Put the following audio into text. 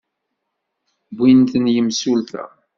Wwin-ten yimsulta.